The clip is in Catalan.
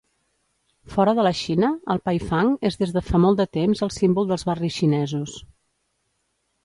Fora de la Xina, el paifang és des de fa molt de temps el símbol dels barris xinesos.